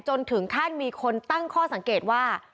จนถึงขั้นมีคนตั้งข้อสังเกตว่า